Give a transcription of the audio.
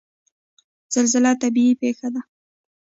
زلزله طبیعي پیښه ده